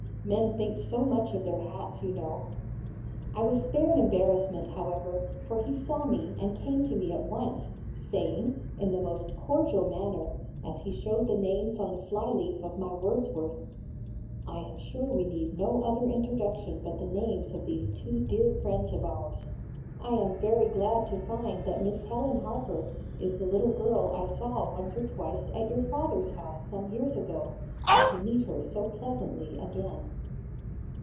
Men think so much of their hats you know. I was spared embarrassment, however, for he saw me and came to me at once, saying, in the most cordial manner, as he showed the names on the fly leaf of my Wordsworth, 'I am sure we need no other introduction but the names of these two dear friends of ours. I am very glad to find that Miss Helen Harper is the little girl I saw once or twice at your father's house some years ago, and to meet her so pleasantly again.'